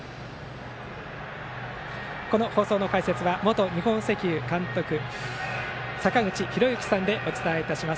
この放送の解説は元日本石油監督坂口裕之さんでお伝えします。